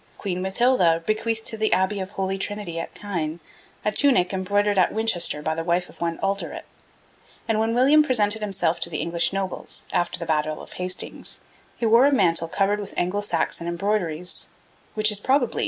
Queen Mathilda bequeathed to the Abbey of the Holy Trinity at Caen a tunic embroidered at Winchester by the wife of one Alderet; and when William presented himself to the English nobles, after the Battle of Hastings, he wore a mantle covered with Anglo Saxon embroideries, which is probably, M.